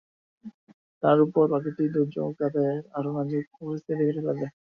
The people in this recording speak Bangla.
তার ওপর প্রাকৃতিক দুর্যোগ তাদের আরও নাজুক পরিস্থিতির দিকে ঠেলে দেয়।